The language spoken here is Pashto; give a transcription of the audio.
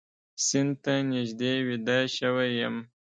سیند ته نږدې ویده شوی یم